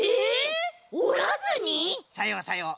さようさよう。